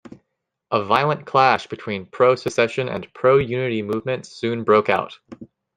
A violent clash between pro-secession and pro-unity movements soon broke out.